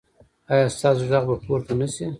ایا ستاسو غږ به پورته نه شي؟